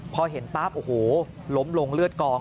พอเห็นปั๊บโอ้โหล้มลงเลือดกอง